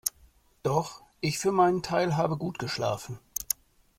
Doch, ich für meinen Teil, habe gut geschlafen.